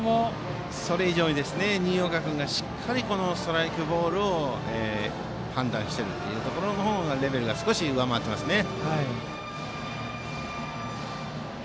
それ以上に新岡君がしっかりストライク、ボールを判断しているところのレベルが少し上回っていますね。